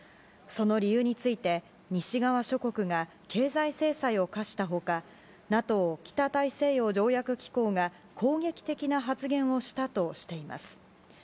その理由について、西側諸国が経済制裁を科した他ＮＡＴＯ・北大西洋条約機構が攻撃的な発言をしたとしています。